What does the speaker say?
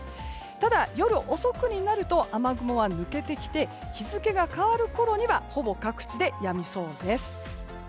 ただ、夜遅くになると雨雲は抜けてきて日付が変わるころにはほぼ各地でやみそうです。